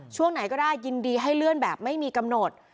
ช่วงไหนก็ได้ยินดีให้เลื่อนแบบไม่มีกำหนด